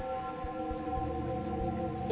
え？